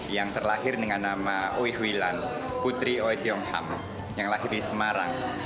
yang terlahir dengan nama uihwilan putri uit yongham yang lahir di semarang